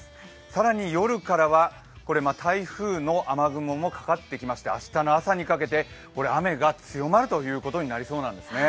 更に夜からは台風の雨雲もかかってきまして明日の朝にかけて雨が強まることになりそうなんですね。